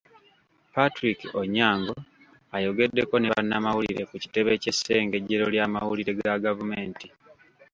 Patrick Onyango ayogeddeko ne bannamawulire ku kitebe ky'essengejjero ly'amawulire ga gavumenti.